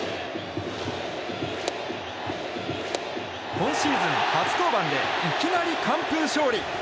今シーズン初登板でいきなり完封勝利。